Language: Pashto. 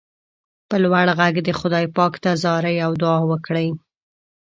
په لوړ غږ دې خدای پاک ته زارۍ او دعا وکړئ.